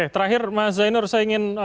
terakhir mas zainur saya ingin